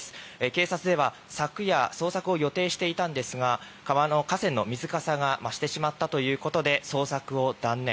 警察では昨夜捜索を予定していたんですが河川の水かさが増してしまったということで捜索を断念。